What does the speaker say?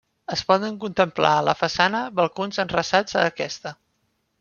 Es poden contemplar a la façana balcons enrasats a aquesta.